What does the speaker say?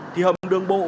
thì hầm đường bộ